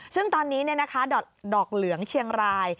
ซึ่งตอนนี้ดอกเหลืองเชียงราย